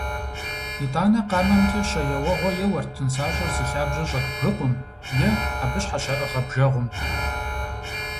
Итӏанэ къамэмкӀэ щэ еуэгъуэ еуэрт нысащӀэр зи лъабжьэ щӀэт бгыкъум е абы щхьэщаӀыгъэ бжэгъум.